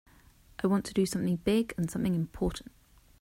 I want to do something big and something important.